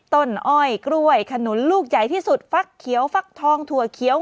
อ้อยกล้วยขนุนลูกใหญ่ที่สุดฟักเขียวฟักทองถั่วเขียว